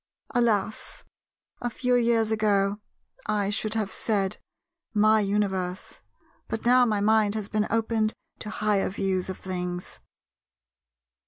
Alas, a few years ago, I should have said "my universe:" but now my mind has been opened to higher views of things.